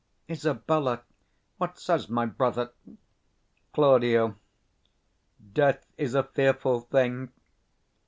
Isab. What says my brother? Claud. Death is a fearful thing.